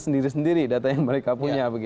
sendiri sendiri data yang mereka punya